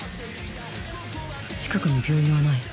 近くに病院はない